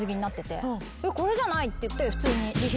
これじゃないって言って普通に。